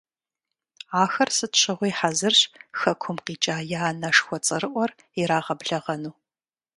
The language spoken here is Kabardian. Ахэр сыт щыгъуи хьэзырщ хэкум къикӏа я анэшхуэ цӀэрыӀуэр ирагъэблэгъэну.